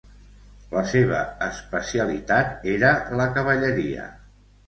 La seva especialitat era la cavalleria.